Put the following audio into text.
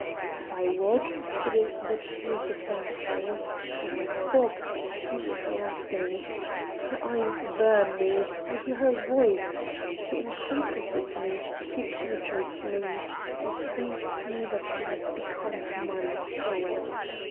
If I walk, it is she that is advancing; when I stop, she is resting! Her eyes burn me, I hear her voice. She encompasses me, she penetrates me. It seems to me that she has become my soul!